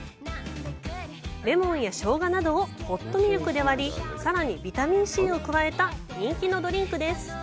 レモンや生姜などをホットミルクで割りさらにビタミンＣを加えた人気のドリンクです。